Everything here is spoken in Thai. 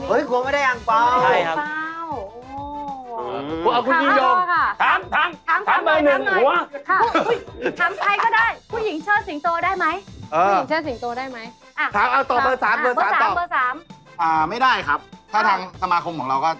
เอ้ยกลัวไม่ได้อังเปร่า